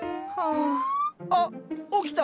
あっ起きた。